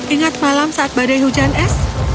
ingat malam saat badai hujan es